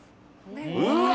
うわ